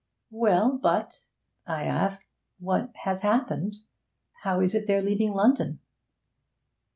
'Well, but,' I asked, 'what has happened. How is it they're leaving London?'